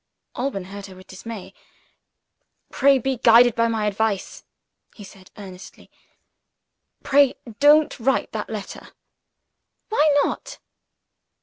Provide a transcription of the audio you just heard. Alban heard her with dismay. "Pray be guided by my advice!" he said earnestly. "Pray don't write that letter!" "Why not?"